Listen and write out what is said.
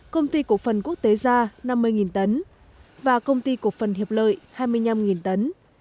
công ty cổ phần quốc tế gia năm mươi tấn và công ty cổ phần hiệp lợi hai mươi năm tấn